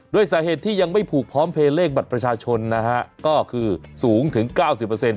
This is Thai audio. สาเหตุที่ยังไม่ผูกพร้อมเพลย์เลขบัตรประชาชนนะฮะก็คือสูงถึง๙๐